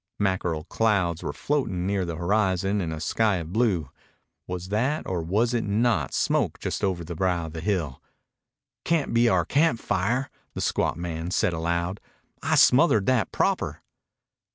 Mackerel clouds were floating near the horizon in a sky of blue. Was that or was it not smoke just over the brow of the hill? "Cayn't be our camp fire," the squat man said aloud. "I smothered that proper."